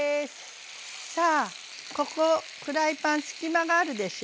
さあここフライパン隙間があるでしょ？